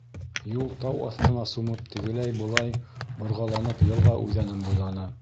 Юл тау аҫтына сумып тегеләй-былай борғаланып йылға үҙәнен буйланы.